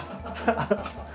ハハハハッ。